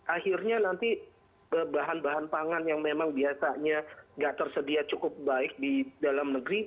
akhirnya nanti bahan bahan pangan yang memang biasanya nggak tersedia cukup baik di dalam negeri